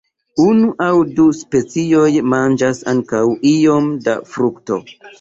Unu aŭ du specioj manĝas ankaŭ iom da frukto.